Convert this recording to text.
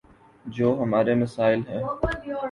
جو ہمارے مسائل ہیں۔